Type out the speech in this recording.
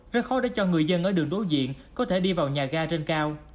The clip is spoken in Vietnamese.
rất khó để cho người dân ở đường đối diện có thể đi vào nhà ga trên cao